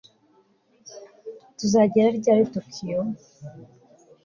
Tuzagera ryari Tokiyo